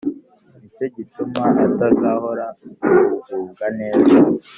ni cyo gituma atazahorana kugubwa neza